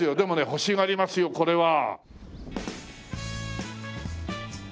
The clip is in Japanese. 欲しがりますよこれは。